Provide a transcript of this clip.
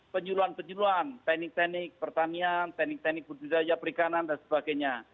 penyuluan penjuruan teknik teknik pertanian teknik teknik budidaya perikanan dan sebagainya